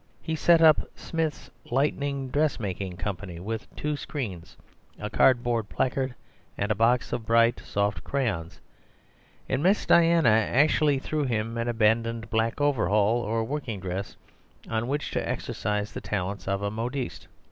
He set up "Smith's Lightning Dressmaking Company," with two screens, a cardboard placard, and box of bright soft crayons; and Miss Diana actually threw him an abandoned black overall or working dress on which to exercise the talents of a modiste.